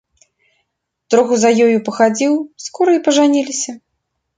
Троху за ёю пахадзіў, скора і пажаніліся.